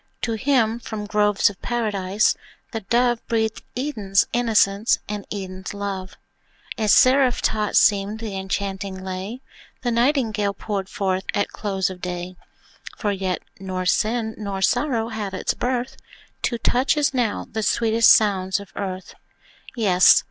To him, from groves of Paradise, the Dove Breathed Eden's innocence and Eden's love; And seraph taught seemed the enchanting lay The Nightingale poured forth at close of day; For yet nor sin nor sorrow had its birth, To touch, as now, the sweetest sounds of earth. Yes!